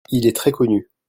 Il est très connu.